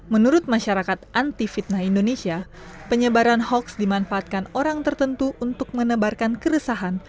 menurut masyarakat anti fitnah indonesia penyebaran hoax dimanfaatkan orang tertentu untuk menebarkan keresahan